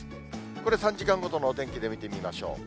これ３時間ごとのお天気で見てみましょう。